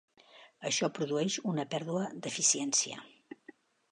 Això produeix una pèrdua d'eficiència.